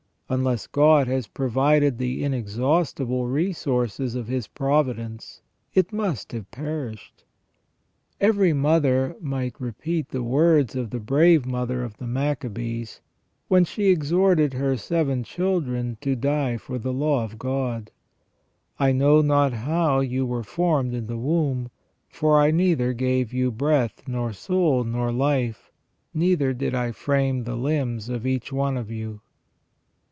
Unless God had provided the inexhaustible resources of His providence, it must have perished. Every mother might repeat the words of the brave mother of the Machabees, when she exhorted her seven children to die for the law of God :" I know not how you were formed in the womb, for I neither gave you breath, nor soul, nor life, neither did I frame the limbs of each one of you